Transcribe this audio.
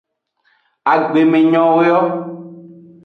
Agbemenyowo yo.